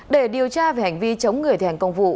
để điều tra về hành vi chống người thi hành công vụ